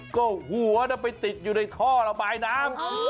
ก็หัวไปติดอยู่ในท่อระบายน้ำ